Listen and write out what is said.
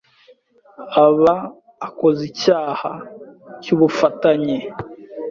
aba akoze icyaha cy,ubufatanye